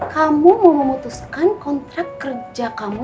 kamu mau memutuskan kontrak kerja kamu